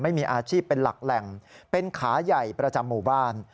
ไม่มีอาชีพเป็นหลักแหล่งเป็นขาใหญ่ประจำหมู่บ้าน